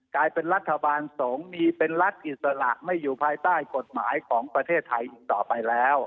กลายเป็นรัฐบาลสงฆ์มีเป็นรัฐอิสระไม่อยู่ภายใต้กฎหมายของประเทศไทยอีกต่อไปแล้ว